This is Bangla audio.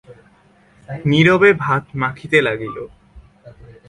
নীরবে ভাত মাখিতে লাগিল।